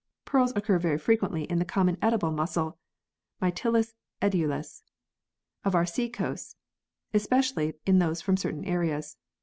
Pearls occur very frequently in the common edible mussel (Mytilus edulis) of our sea coasts, and especially in those from certain areas.